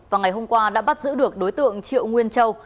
và ngày hôm qua đã bắt giữ được đối tượng triệu nguyên châu